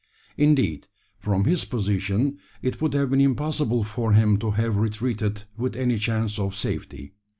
Indeed, from his position, it would have been impossible for him to have retreated with any chance of safety.